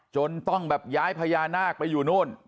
จนต้องแบบย้ายพญานาคไปอยู่นู่น